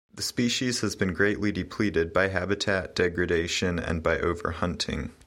The species has been greatly depleted by habitat degradation and by overhunting.